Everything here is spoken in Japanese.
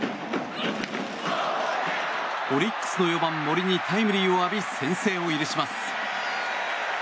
オリックスの４番、森にタイムリーを浴び先制を許します。